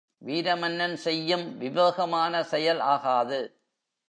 வீர மன்னன் செய்யும் விவேகமான செயல் ஆகாது.